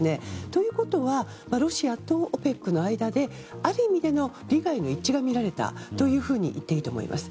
ということはロシアとＯＰＥＣの間である意味での利害の一致が見られたというふうに言っていいと思います。